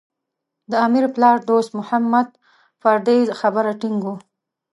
د امیر پلار دوست محمد پر دې خبره ټینګ و.